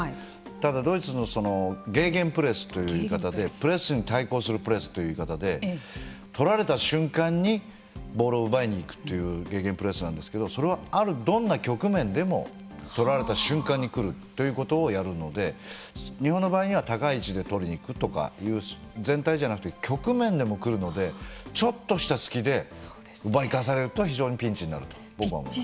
ただ、ドイツのゲーゲンプレスというプレスに対抗するプレスという言い方で取られた瞬間にボールを奪いに行くというゲーゲンプレスなんですけれどもそれは、あるどんな局面でも取られた瞬間に来るということをやるので日本の場合には高い位置で取りにいくとか全体じゃなくて局面でも来るのでちょっとした隙で奪い返されると非常にピンチになると思います。